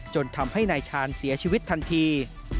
จนทำให้นายชาญเสียชีวิตทันที